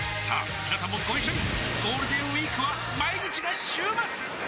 みなさんもご一緒にゴールデンウィークは毎日が週末！